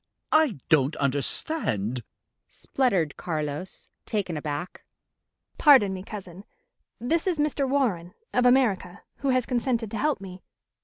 "I don't understand," spluttered Carlos, taken aback. "Pardon me, cousin. This is Mr. Warren, of America, who has consented to help me.